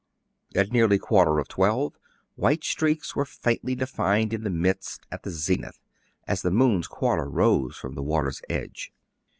At nearly quarter of twelve white streaks were faintly defined in the mist at the zenith, as the moon's quarter rose from the water's edge.